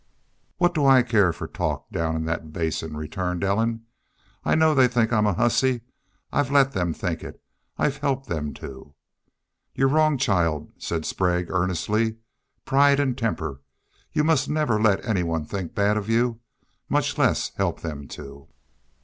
"What do I care for the talk down in that Basin?" returned Ellen. "I know they think I'm a hussy. I've let them think it. I've helped them to." "You're wrong, child," said Sprague, earnestly. "Pride an' temper! You must never let anyone think bad of you, much less help them to."